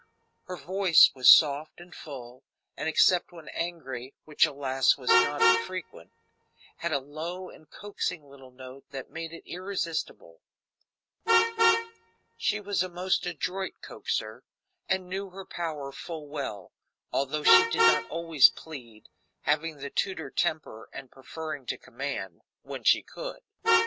Her voice was soft and full, and, except when angry, which, alas, was not infrequent, had a low and coaxing little note that made it irresistible; she was a most adroit coaxer, and knew her power full well, although she did not always plead, having the Tudor temper and preferring to command when she could.